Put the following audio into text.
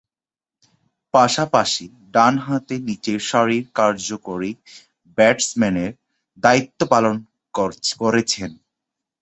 পাশাপাশি ডানহাতে নিচেরসারির কার্যকরী ব্যাটসম্যানের দায়িত্ব পালন করেছেন।